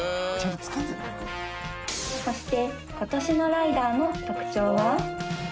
そして今年のライダーの特徴は？